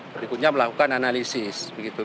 berikutnya melakukan analisis